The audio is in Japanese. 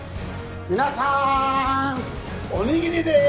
皆さーんおにぎりでーす！